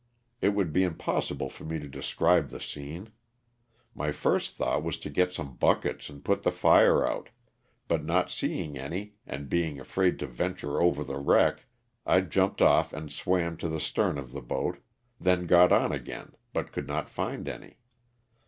It would be impossible for me to describe the scene. My first thought was to get some buckets and put the fire out, but not seeing any and being afraid to venture over the wreck I jumped off and swam to the stern of the boat, then got on again, but could not find any.